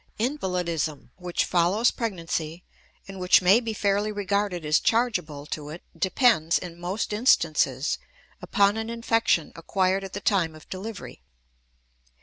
Invalidism which follows pregnancy and which may be fairly regarded as chargeable to it depends, in most instances, upon an infection acquired at the time of delivery.